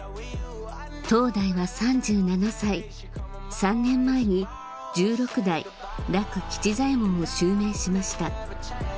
当代は３７歳３年前に十六代樂吉左衞門を襲名しました